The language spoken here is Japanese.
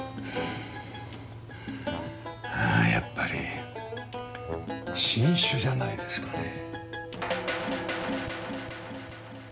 うんやっぱり新種じゃないですかね。